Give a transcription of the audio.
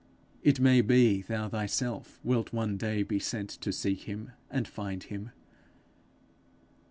It may be, thou thyself wilt one day be sent to seek him and find him.